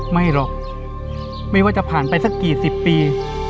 ไม่หรอกไม่ว่าจะผ่านไปสักกี่สิบปี